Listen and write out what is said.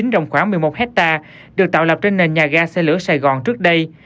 trồng khoảng một mươi một hectare được tạo lập trên nền nhà ga xe lửa sài gòn trước đây